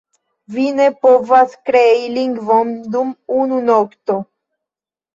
Vi ne povas krei lingvon dum unu nokto.